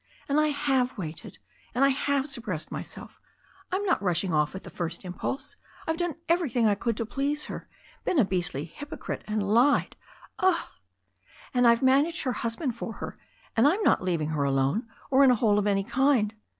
And I have waited, and I have suppressed my self. I'm not rushing off at the first impulse. I've done 230 THE STORY OF A NEW ZEALAND RIVER everything I could to please her, been a beastly hypocrite and lied — ugh! And IVe managed her husband for her. And I'm not leaving her alone or in a hole of any kind.